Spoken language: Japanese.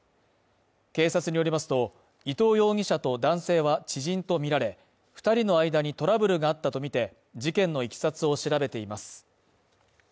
警察によりますと、伊藤容疑者と男性は知人とみられ、２人の間にトラブルがあったとみて事件のいきさつを調べています。